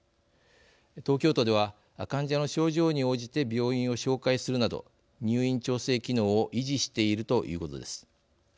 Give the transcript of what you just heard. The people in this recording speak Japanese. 東京都では患者の症状に応じて病院を紹介するなど入院調整機能を維持しているということです。